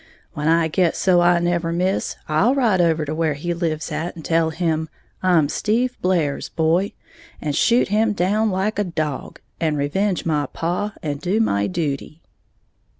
When I get so I never miss, I'll ride over where he lives at and tell him 'I'm Steve Blair's boy,' and shoot him down like a dog, and revenge my paw, and do my duty."